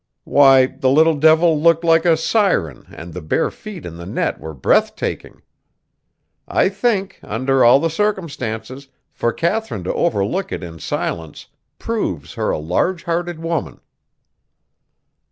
Why, the little devil looked like a siren and the bare feet in the net were breathtaking. I think, under all the circumstances, for Katharine to overlook it in silence proves her a large hearted woman."